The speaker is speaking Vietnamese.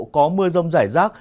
có mưa rông rải